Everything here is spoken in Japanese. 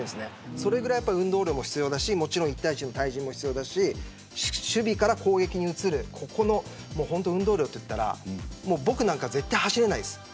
それぐらい運動量が必要だし対人も必要だし守備から攻撃に移るここの運動量といったら僕なんか絶対走れないです。